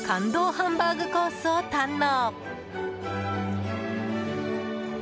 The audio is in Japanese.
ハンバーグコースを堪能。